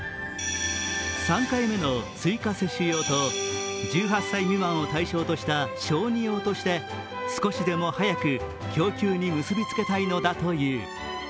３回目の追加接種用と１８歳未満を対象とした小児用として少しでも早く供給に結びつけたいのだという。